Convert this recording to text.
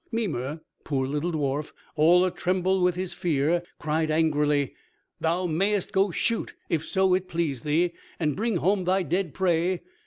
Mimer, poor little dwarf, all a tremble with his fear, cried angrily, "Thou mayest go shoot if so it please thee, and bring home thy dead prey.